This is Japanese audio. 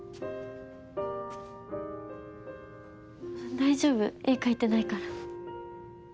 大丈夫絵描いてないから。